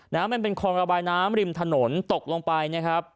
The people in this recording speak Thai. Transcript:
มันเป็นคลองระบายน้ำริมถนนตกลงไปนะครับ